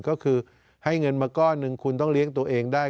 ก็คือให้เงินมาก้อนหนึ่งคุณต้องเลี้ยงตัวเองได้